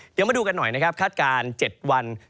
เดี๋ยวมาดูกันหน่อยนะครับคาดการณ์๗วัน